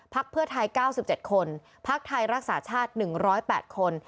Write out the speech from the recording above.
เพื่อไทย๙๗คนพักไทยรักษาชาติ๑๐๘คน